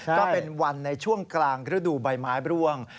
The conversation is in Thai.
ก็เป็นวันในช่วงกลางฤดูใบไม้ร่วง